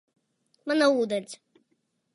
Man nav ūdens.